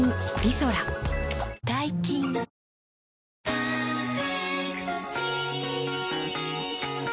「パーフェクトスティック」